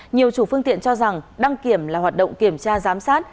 nhiều chủ phương tiện cho rằng đăng kiểm là hoạt động kiểm tra giám sát